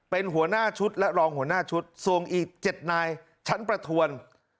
เป็นหัวหน้าชุดและรองหัวหน้าชุดส่งอีก๗นายชั้นประทวน